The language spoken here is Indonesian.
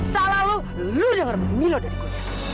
salah lo lo denger milo dari gue